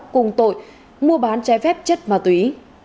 cùng tội mua bán trái phép chất ma túy